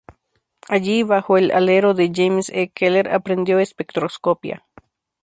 Allí, bajo el alero de James E. Keeler, aprendió espectroscopia.